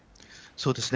そうですね。